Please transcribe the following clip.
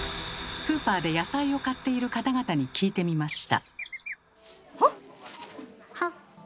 スーパーで野菜を買っている方々に聞いてみました。